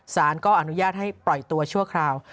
สารก็อนุญาตให้ปล่อยตัวชั่วคราว